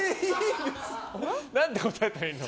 何て答えたらいいの？